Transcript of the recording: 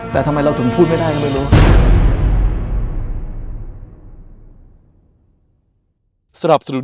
แต่ทำไมเราถึงพูดไม่ได้ก็ไม่รู้